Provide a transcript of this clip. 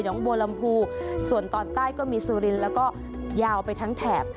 งบัวลำพูส่วนตอนใต้ก็มีสุรินทร์แล้วก็ยาวไปทั้งแถบ